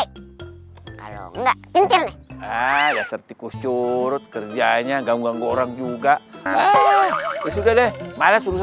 kalau enggak cintin aja sertiku surut kerjanya ganggu ganggu orang juga sudah deh malah suruh